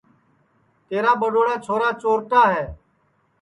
تیرا ٻڈؔوڑا چھورا چورٹا ہے